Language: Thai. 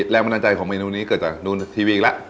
แรงบันดาลใจของเมนูนี้เกิดจากดูทีวีอีกแล้ว